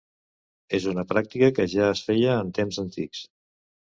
És una pràctica que ja es feia en temps antics.